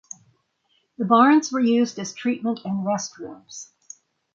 The barns were used as treatment and restrooms.